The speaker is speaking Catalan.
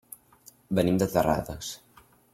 Venim de Terrades.